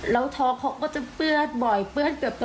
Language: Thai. รางวัลให้นะหนูให้๕๐๐๐เลยนะ